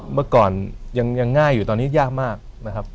เมื่อก่อนยังง่ายอยู่ตอนนี้ยากมากนะครับ